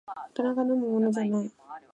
大人が飲むものじゃない